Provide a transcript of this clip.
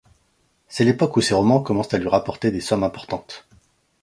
C'est l'époque où ses romans commencent à lui rapporter des sommes importantes.